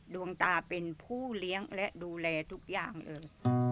ดวงตาเป็นผู้เลี้ยงและดูแลทุกอย่างเลย